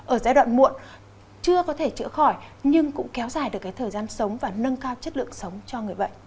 ở giai đoạn muộn chưa có thể chữa khỏi nhưng cũng kéo dài được cái thời gian sống và nâng cao chất lượng sống cho người bệnh